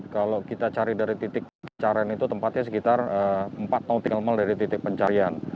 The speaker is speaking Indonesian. kalau kita cari dari titik pencarian itu tempatnya sekitar empat nautical mal dari titik pencarian